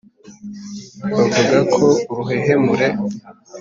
Bavuga ko uruhehemure